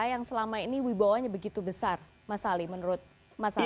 yang selama ini wibawanya begitu besar mas ali menurut mas ali